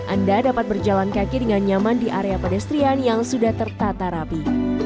anda dapat berjalan kaki dengan nyaman di area pedestrian yang sudah tertata rapi